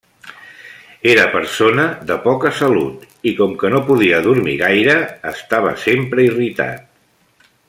Era persona de poca salut, i com que no podia dormir gaire estava sempre irritat.